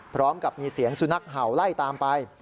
พร้อมกับมีเสียงสุนัขเห่าไล่ตามไป